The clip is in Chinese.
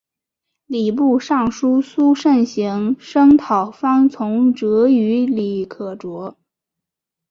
礼部尚书孙慎行声讨方从哲与李可灼。